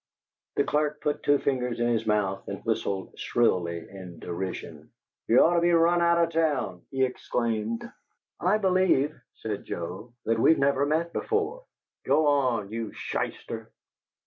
The clerk put two fingers in his mouth and whistled shrilly in derision. "You'd ort to be run out o' town!" he exclaimed. "I believe," said Joe, "that we have never met before." "Go on, you shyster!"